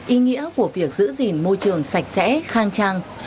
ý nghĩa của việc giữ gìn môi trường sạch sẽ khang trang